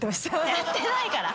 やってないから。